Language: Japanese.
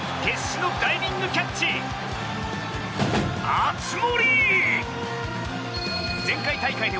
熱盛！